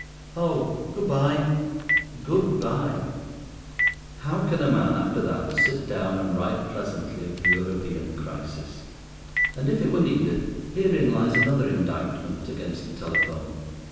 "Oh, good bye." "Good bye." How can a man after that sit down and write pleasantly of the European crisis? And, if it were needed, herein lies another indictment against the telephone.